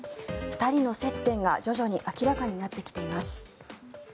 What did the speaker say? ２人の接点が、徐々に明らかになってきています。